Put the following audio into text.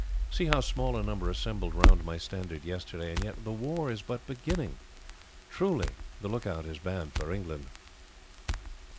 See how small a number assembled round my standard yesterday, and yet the war is but beginning. Truly the look out is bad for England."